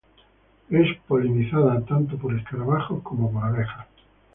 Es polinizada tanto por escarabajos y abejas.